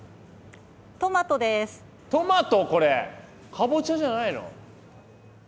かぼちゃじゃないの？